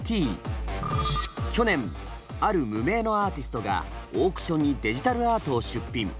去年ある無名のアーティストがオークションにデジタルアートを出品。